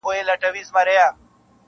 لا هنوز لرم يو لاس او يوه سترگه-